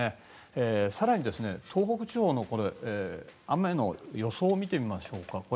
更に、東北地方の雨の予想を見てみましょうか。